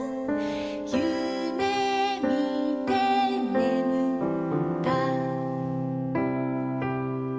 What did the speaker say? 「ゆめみてねむった」